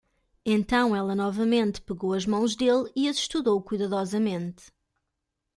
Então ela novamente pegou as mãos dele e as estudou cuidadosamente.